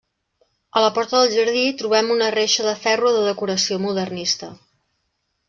A la porta del jardí trobem una reixa de ferro de decoració modernista.